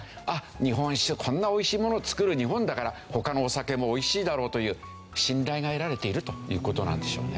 日本酒こんな美味しいものを造る日本だから他のお酒も美味しいだろうという信頼が得られているという事なんでしょうね。